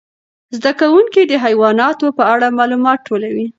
زده کوونکي د حیواناتو په اړه معلومات ټولوي.